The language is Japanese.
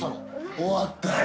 終わったよ。